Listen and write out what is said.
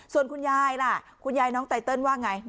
ส่วนคุณยายล่ะคุณยายน้องไตเติลว่าไง